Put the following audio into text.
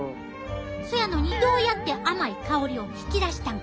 せやのにどうやって甘い香りを引き出したんか。